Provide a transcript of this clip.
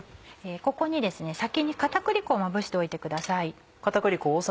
ここに先に片栗粉をまぶしておいてください。